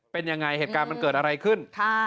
เป็นยังไงเหตุการณ์มันเกิดอะไรขึ้น